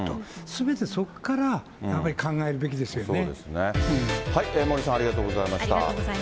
すべてそこからやっぱり考えるべきですよね。